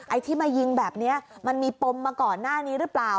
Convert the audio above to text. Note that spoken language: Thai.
ไอ้ที่มายิงแบบนี้มันมีปมมาก่อนหน้านี้หรือเปล่า